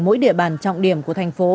mỗi địa bàn trọng điểm của thành phố